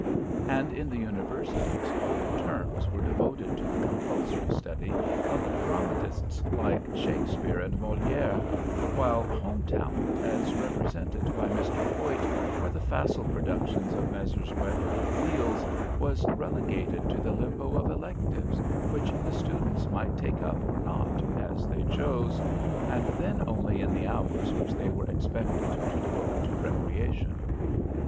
And in the universities whole terms were devoted to the compulsory study of dramatists like Shakespeare and Molière, while home talent, as represented by Mr. Hoyt or the facile productions of Messrs. Weber & Fields, was relegated to the limbo of electives which the students might take up or not, as they chose, and then only in the hours which they were expected to devote to recreation.